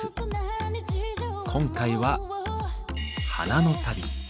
今回は「花の旅」。